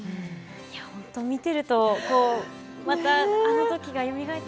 いや本当見てるとこうまたあの時がよみがえって。